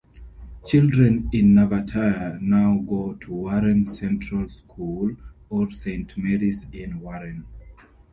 Children in Nevertire now go to Warren Central School or Saint Mary's in Warren.